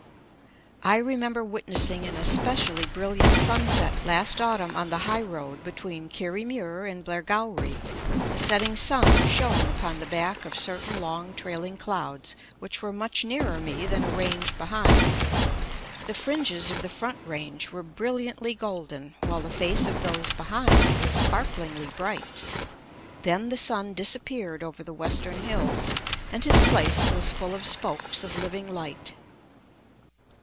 I remember witnessing an especially brilliant sunset last autumn on the high road between Kirriemuir and Blairgowrie. The setting sun shone upon the back of certain long trailing clouds which were much nearer me than a range behind. The fringes of the front range were brilliantly golden, while the face of those behind was sparklingly bright. Then the sun disappeared over the western hills, and his place was full of spokes of living light.